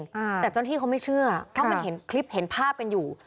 แต่เจ้าหน้าที่เขาไม่เชื่อเขาก็เห็นคลิปเห็นภาพเป็นอยู่